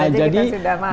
sekarang kalau china